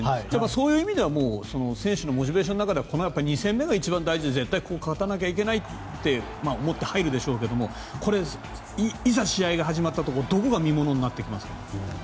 そういう意味では選手のモチベーションの中では２戦目が一番大事でここは勝たなきゃいけないと思ってはいるでしょうがいざ試合が始まったらどこが見ものになってきますか？